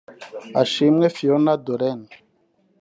Ashimwe Fiona Doreen